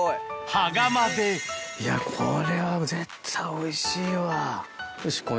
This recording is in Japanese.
羽釜でいやこれは絶対おいしいわ。